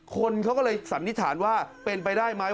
คนเขาก็เลยสันนิษฐานว่าเป็นไปได้ไหม